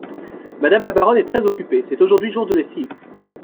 Madame la baronne est très occupée, c’est aujourd’hui jour de lessive.